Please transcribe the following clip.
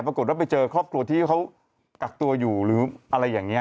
ปรากฏว่าไปเจอครอบครัวที่เขากักตัวอยู่หรืออะไรอย่างนี้